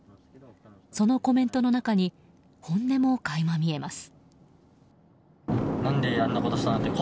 そのコメントの中に本音も垣間見えます。